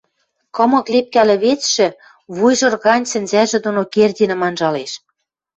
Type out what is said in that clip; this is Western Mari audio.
Кымык лепкӓ лӹвецшӹ вуйжыр гань сӹнзӓжӹ доно Кердинӹм анжалеш.